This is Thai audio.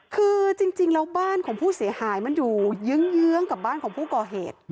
คือจริงแล้วบ้านของผู้เสียหายมันอยู่เยื้องกับบ้านของผู้ก่อเหตุ